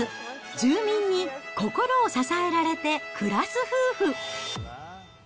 住民に心を支えられて暮らす夫婦。